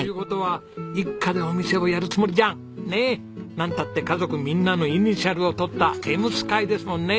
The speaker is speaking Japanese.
なんたって家族みんなのイニシャルをとったｅｍ．ｓｋｙですもんね。